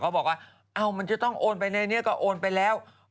บอกว่ามันจะต้องโอนไปในนี้ก็โอนไปแล้ว